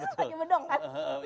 pakai bedong kan